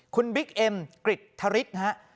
คุณบิ๊กเอ็มกริทธฤษฐ์